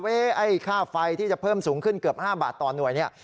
ไอ้ค่าไฟที่จะเพิ่มสูงขึ้นเกือบ๕บาทต่อหน่วยเนี่ย